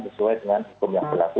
sesuai dengan hukum yang berlaku